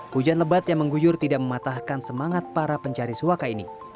hujan lebat yang mengguyur tidak mematahkan semangat para pencari suaka ini